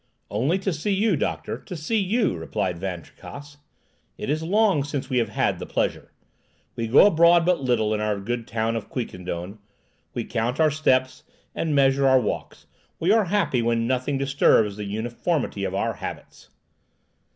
"Only to see you, doctor; to see you," replied Van Tricasse. "It is long since we have had the pleasure. We go abroad but little in our good town of Quiquendone. We count our steps and measure our walks. We are happy when nothing disturbs the uniformity of our habits."